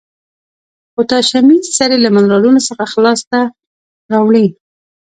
پوتاشیمي سرې له منرالونو څخه لاس ته راوړي.